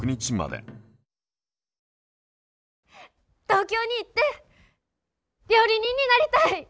東京に行って料理人になりたい。